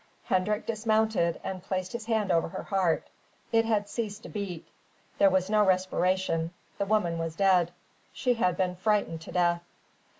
Hendrik dismounted, and placed his hand over her heart. It had ceased to beat. There was no respiration. The woman was dead: she had been frightened to death.